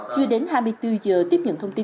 chưa đến hai mươi bốn giờ tiếp nhận thông tin